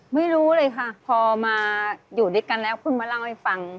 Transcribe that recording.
ไม่รู้เลยค่ะพอมาอยู่ด้วยกันแล้วเพิ่งมาเล่าให้ฟัง